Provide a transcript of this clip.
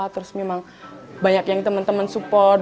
terus memang banyak yang teman teman support